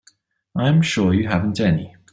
I'm sure you haven't any.